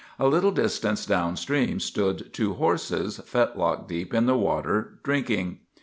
A little distance down stream stood two horses, fetlock deep in the water, drinking.